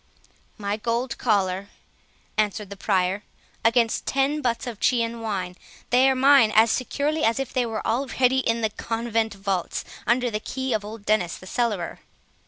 "My gold collar," answered the Prior, "against ten butts of Chian wine;—they are mine as securely as if they were already in the convent vaults, under the key of old Dennis the cellarer."